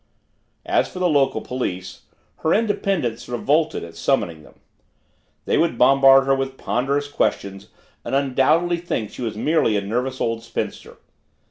As for the local police her independence revolted at summoning them. They would bombard her with ponderous questions and undoubtedly think she was merely a nervous old spinster.